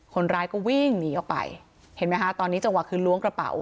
คนร้ายก็วิ่งหนีออกไปเห็นไหมคะตอนนี้จังหวะคือล้วงกระเป๋า